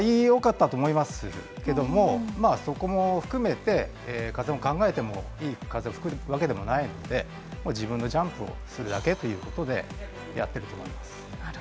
よかったと思いますけどもそこも含めて風を考えてもいい風が吹くわけではないので自分のジャンプをするだけということでやってると思います。